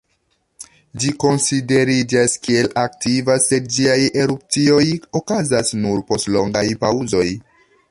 Ĝi konsideriĝas kiel aktiva, sed ĝiaj erupcioj okazas nur post longaj paŭzoj.